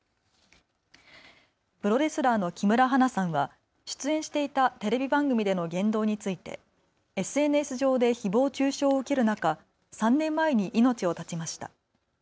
プロレスラーの木村花さんは出演していたテレビ番組での言動についてＳＮＳ上でひぼう中傷を受ける中３年前に命を絶ちました。